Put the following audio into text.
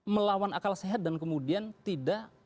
melawan akal sehat dan kemudian tidak